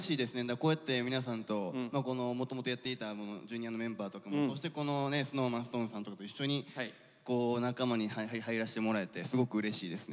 こうやって皆さんともともとやっていたＪｒ．のメンバーとかもそしてこのＳｎｏｗＭａｎＳｉｘＴＯＮＥＳさんと一緒に仲間に入らせてもらえてすごくうれしいですね。